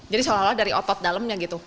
jadi seolah olah dari otot dalamnya gitu